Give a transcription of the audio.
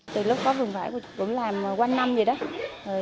từ lúc có vườn vải cũng làm qua năm rồi đó